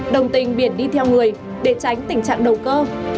đồng tình biển đi theo người để tránh tình trạng đầu cơ